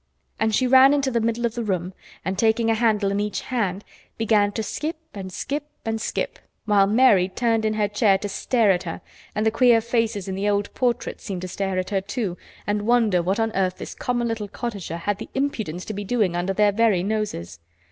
And she ran into the middle of the room and, taking a handle in each hand, began to skip, and skip, and skip, while Mary turned in her chair to stare at her, and the queer faces in the old portraits seemed to stare at her, too, and wonder what on earth this common little cottager had the impudence to be doing under their very noses.